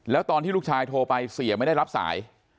แล้วตอนที่ลูกชายโทรไปเสียไม่ได้รับสาย